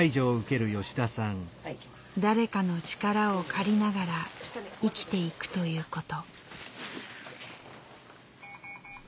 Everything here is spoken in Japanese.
誰かの力を借りながら生きていくということ。